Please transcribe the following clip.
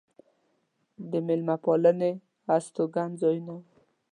د مېلمه پالنې هستوګن ځایونه و.